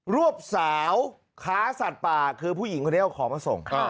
วบสาวค้าสัตว์ป่าคือผู้หญิงคนนี้เอาของมาส่ง